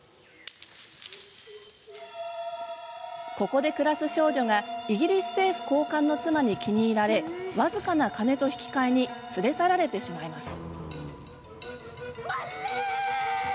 ここで暮らす少女がイギリス政府高官の妻に気に入られ僅かな金と引き換えに連れ去られてしまいます。